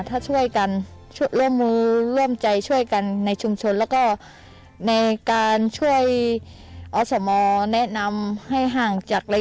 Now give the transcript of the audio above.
ถ้าช่วยกันร่วมมือร่วมใจช่วยกันในชุมชนแล้วก็ในการช่วยอสมแนะนำให้ห่างจากอะไร